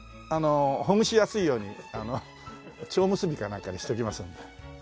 ほぐしやすいようにちょう結びかなんかにしときますので。